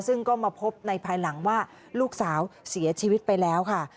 ซึ่งก็มาพบในภายหลังว่าลูกสาวเสียชีวิตไปแล้วค่ะ